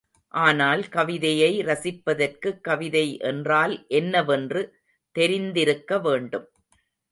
ஆனால் கவிதையை ரஸிப்பதற்குக் கவிதை என்றால் என்ன வென்று தெரிந்திருக்க வேண்டும்.